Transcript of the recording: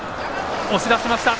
押し出しました。